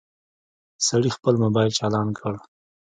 سړي خپل موبايل چالان کړ.